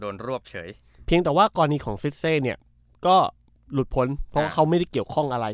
รวบเฉยเพียงแต่ว่ากรณีของซิสเซเนี่ยก็หลุดพ้นเพราะเขาไม่ได้เกี่ยวข้องอะไร